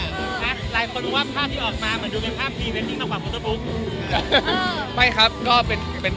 หลายคนรู้ว่าภาพที่ออกมาเหมือนดูเป็นภาพพีเมตติกมากกว่าโฟโต๊ะบุ๊ก